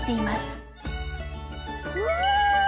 うわ！